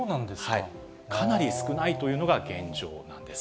かなり少ないというのが現状なんです。